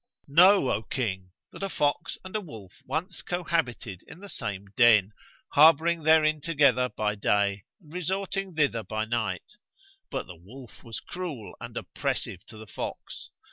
[FN#150] Know, O King, that a fox and a wolf once cohabited in the same den, harbouring therein together by day and resorting thither by night; but the wolf was cruel and oppressive to the fox.